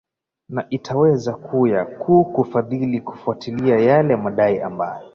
na itaweza kuya ku kufadhili kufwatilia yale madai ambayo